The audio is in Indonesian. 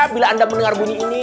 bila anda mendengar bunyi ini